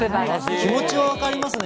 気持ちはわかりますね